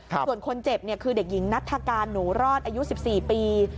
ส่วนคนเจ็บคือเด็กหญิงนัฐกาลหนูรอดอายุ๑๔ปี